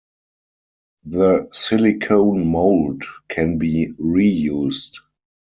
The silicone mold can be reused.